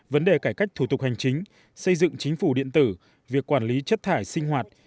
vấn đề cải cách thủ tục hành chính xây dựng chính phủ điện tử việc quản lý chất thải sinh hoạt